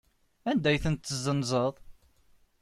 Anda ay ten-tessenzeḍ?